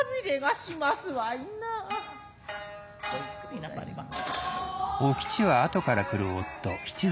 ごゆっくりなされませ。